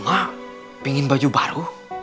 mak pingin baju baru